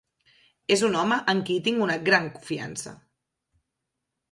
És un home en qui tinc una gran fiança.